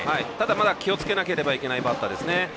まだ気をつけなければいけないバッターです。